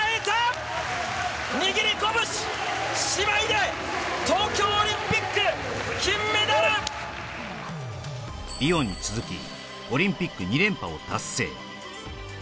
握り拳姉妹で東京オリンピック金メダルリオに続きオリンピック２連覇を達成